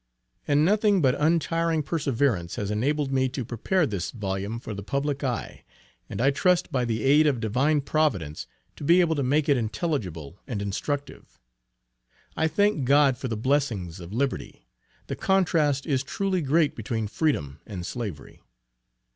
And nothing but untiring perseverance has enabled me to prepare this volume for the public eye; and I trust by the aid of Divine Providence to be able to make it intelligible and instructive. I thank God for the blessings of Liberty the contrast is truly great between freedom and slavery.